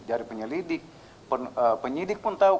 dari penyelidik penyidik pun tahu perkara ini seperti apa